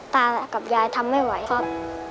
ตากับยายทำไม่ไหวครับ